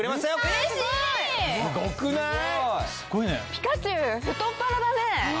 ピカチュウ太っ腹だね。